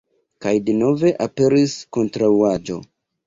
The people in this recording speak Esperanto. Kaj denove aperis kontraŭaĵo.